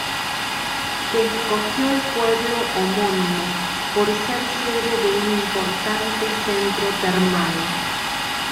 Se escogió el pueblo homónimo por ser sede de un importante centro termal.